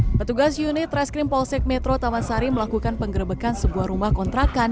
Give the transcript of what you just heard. hai petugas unit reskrim polsek metro taman sari melakukan pengerebekan sebuah rumah kontrakan